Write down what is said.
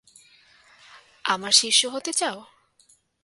আমার শিষ্য হতে চাও?